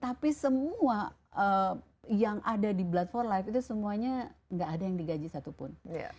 tapi semua yang ada di blood for life itu semuanya nggak ada yang digaji satupun